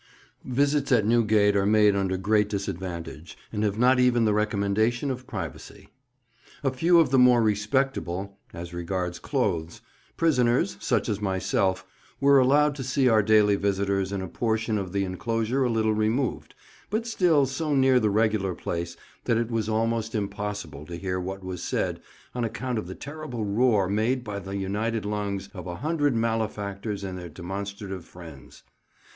VISITS at Newgate are made under great disadvantage, and have not even the recommendation of privacy. A few of the more respectable (as regards clothes) prisoners, such as myself, were allowed to see our daily visitors in a portion of the enclosure a little removed, but still so near the regular place that it was almost impossible to hear what was said on account of the terrible roar made by the united lungs of a hundred malefactors and their demonstrative friends.